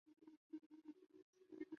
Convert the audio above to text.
曾是国际贸易与工业部第一副部长。